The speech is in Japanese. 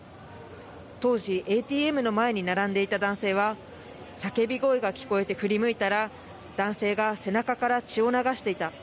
当時、ＡＴＭの前に並んでいた男性は叫び声が聞こえて振り向いたら男性が背中から血を流していた。